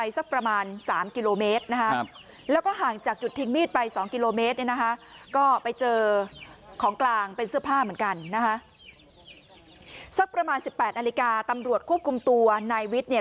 สักประมาณ๑๘นาฬิกาตำรวจควบคุมตัวนายวิทย์เนี่ย